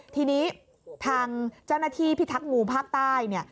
ทีนี้ทางเจ้าหน้าที่พิทักษ์งูภาคใต้